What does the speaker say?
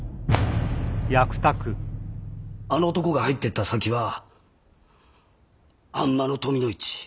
あの男が入っていった先はあんまの富の市。